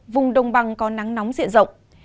vùng đông bằng có nắng nóng diện rộng